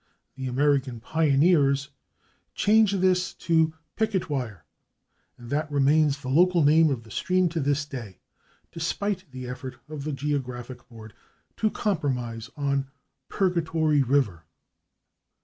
The American pioneers changed this to /Picketwire/, and that remains the local name of the stream to this day, despite the effort of the Geographic Board to compromise on /Purgatoire/ river.